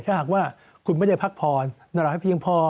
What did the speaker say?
ถ้าหากว่าคุณไม่ได้พักผ่อนน่ารักให้เพียงพอ